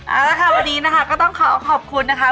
เอาละค่ะวันนี้นะคะก็ต้องขอขอบคุณนะคะ